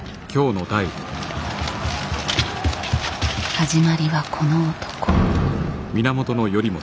始まりはこの男。